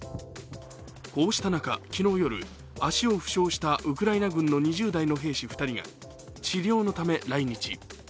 こうした中、昨日夜、足を負傷したウクライナ軍の２０代の兵士２人が治療のため来日。